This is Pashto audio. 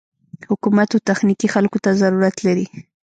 حکومت و تخنيکي خلکو ته ضرورت لري.